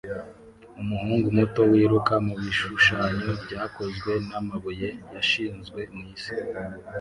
Umuhungu muto wiruka mubishushanyo byakozwe namabuye yashyizwe mwisi